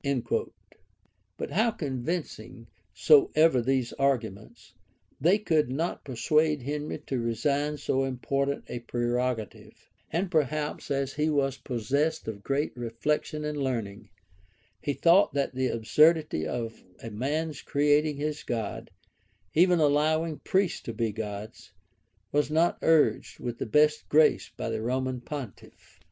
[*] But how convincing soever these arguments, they could not persuade Henry to resign so important a prerogative; and perhaps, as he was possessed of great reflection and learning, he thought that the absurdity of a man's creating his God, even allowing priests to be gods, was not urged with the best grace by the Roman pontiff.